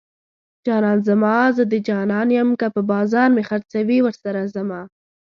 جانان زما زه د جانان يم که په بازار مې خرڅوي ورسره ځمه